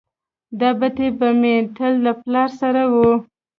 دا بتۍ به مې تل له پلار سره وه.